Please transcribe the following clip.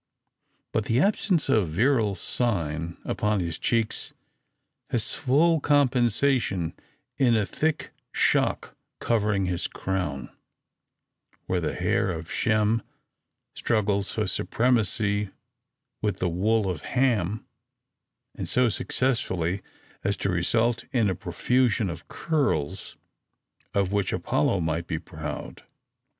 But the absence of virile sign upon his cheeks has full compensation in a thick shock covering his crown, where the hair of Shem struggles for supremacy with the wool of Ham, and so successfully, as to result in a profusion of curls of which Apollo might be proud.